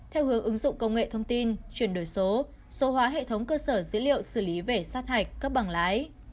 theo hướng ứng dụng công nghệ thông tin chuyển đổi số số hóa hệ thống cơ sở dữ liệu xử lý về sát hạch cấp bằng lái